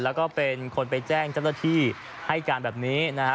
แล้วก็เป็นคนไปแจ้งเจ้าหน้าที่ให้การแบบนี้นะฮะ